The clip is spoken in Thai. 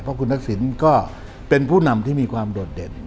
เพราะคุณทักษิณก็เป็นผู้นำที่มีความโดดเด่น